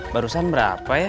barusan berapa ya